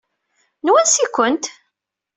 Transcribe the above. N wansi-ken?